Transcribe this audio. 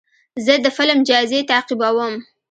زه د فلم جایزې تعقیبوم.